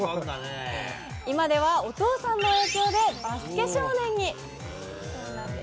今ではお父さんの影響で、バスケ少年に。